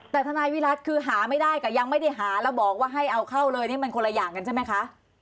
แต่ทนายวิรัติคือหาไม่ได้กับยังไม่ได้หาแล้วบอกว่าให้เอาเข้าเลยนี่มันคนละอย่างกันใช่ไหมคะ